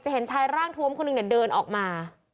เห็นชายร่างทวมคนหนึ่งเดินออกมา